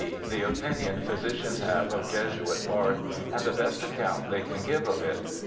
The opinion physicians have of Jesuit's bark, and the best account they can give of it.